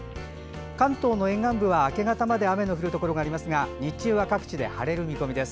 関東の沿岸部は、明け方まで雨の降るところがありますが日中は各地で晴れる見込みです。